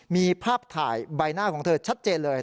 มีภาพถ่ายใบหน้าของเธอชัดเจนเลย